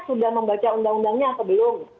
sudah membaca undang undangnya atau belum